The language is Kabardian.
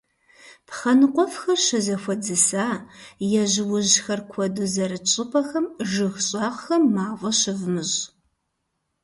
Пхъэ ныкъуэфхэр щызэхуэдзыса, ежьужьхэр куэду зэрыт щӀыпӀэхэм, жыг щӀагъхэм мафӀэ щывмыщӀ.